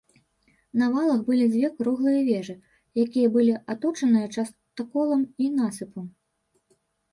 На валах былі дзве круглыя вежы, якія былі аточаныя частаколам і насыпам.